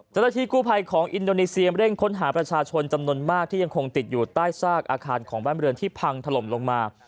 เจ้าหน้าที่กู้ภัยของอินโดนีเซียเร่งค้นหาประชาชนจำนวนมากที่ยังคงติดอยู่ใต้ซากอาคารของบ้านเรือนที่พังถล่มลงมา